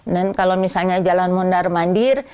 dan kalau misalnya jalan mundar mandir